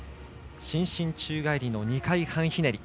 伸身宙返りの２回半ひねり。